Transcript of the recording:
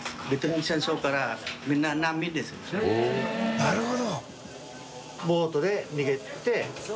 なるほど。